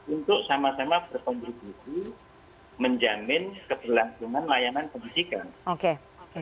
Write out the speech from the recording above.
untuk sama sama berkondisi menjamin keterlantungan layanan pendidikan